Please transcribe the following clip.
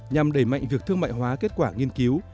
nhằm đẩy mạnh việc thương mại hóa kết quả nghiên cứu